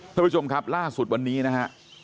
ท่านผู้ชมครับล่าสุดวันนี้นะฮะ